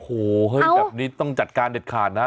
โอ้โหเฮ้ยแบบนี้ต้องจัดการเด็ดขาดนะ